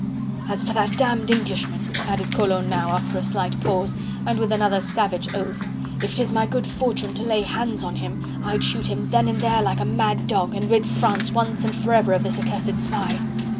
"As for that dammed Englishman," added Collot now, after a slight pause, and with another savage oath, "if 'tis my good fortune to lay hands on him, I'd shoot him then and there like a mad dog, and rid France once and forever of this accursed spy."